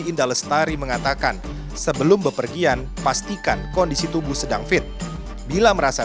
indah lestari mengatakan sebelum bepergian pastikan kondisi tubuh sedang fit bila merasa